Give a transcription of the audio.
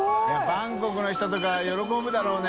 バンコクの人とか喜ぶだろうね。